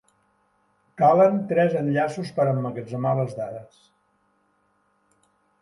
Calen tres enllaços per emmagatzemar les dades.